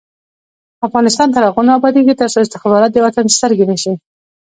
افغانستان تر هغو نه ابادیږي، ترڅو استخبارات د وطن سترګې نشي.